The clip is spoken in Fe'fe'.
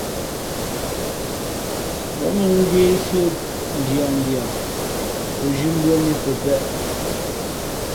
Wěn mᾱ ngēsī o ndiandia o zhī mbʉ̄ᾱ mǐ pəpēʼ.